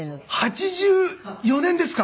８４年ですか。